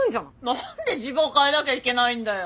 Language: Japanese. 何で自分を変えなきゃいけないんだよ。